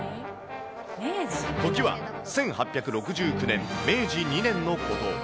時は１８６９年・明治２年のこと。